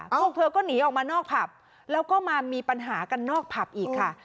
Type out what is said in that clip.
พวกเธอก็หนีออกมานอกผับแล้วก็มามีปัญหากันนอกผับอีกค่ะ